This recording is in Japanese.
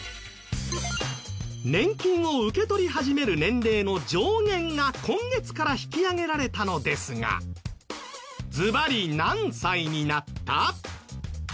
年金を受け取り始める年齢の上限が今月から引き上げられたのですがずばり何歳になった？